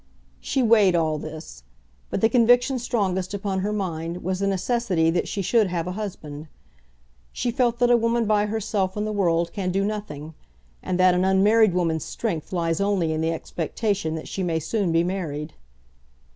She weighed all this; but the conviction strongest upon her mind was the necessity that she should have a husband. She felt that a woman by herself in the world can do nothing, and that an unmarried woman's strength lies only in the expectation that she may soon be married.